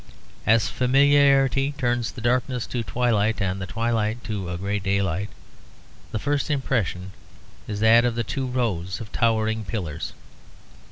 As familiarity turns the darkness to twilight, and the twilight to a grey daylight, the first impression is that of two rows of towering pillars.